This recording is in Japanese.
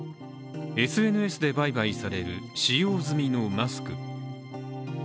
ＳＮＳで売買される使用済みのマスク。